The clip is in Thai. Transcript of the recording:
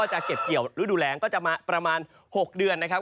หรือดูแลงก็จะมาประมาณ๖เดือนนะครับ